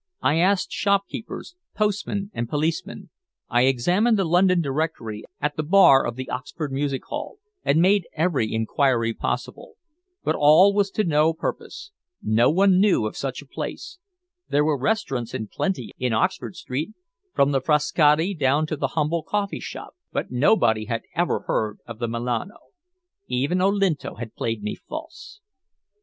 I asked shopkeepers, postmen, and policemen; I examined the London Directory at the bar of the Oxford Music Hall, and made every inquiry possible. But all was to no purpose. No one knew of such a place. There were restaurants in plenty in Oxford Street, from the Frascati down to the humble coffeeshop, but nobody had ever heard of the "Milano." Even Olinto had played me false!